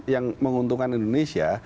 yang menguntungkan indonesia